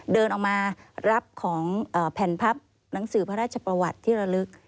เดินออกมารับของแผ่นพับหนังสือพระราชประวัติที่ระลึก